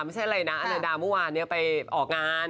ไม่ใช่อะไรนะอนาดาเมื่อวานนี้ไปออกงาน